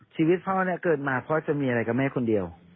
ชีวิตพ่อเนี่ยเกิดมาพ่อจะมีอะไรกับแม่คนเดียว